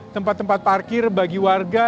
tempat tempat parkir bagi warga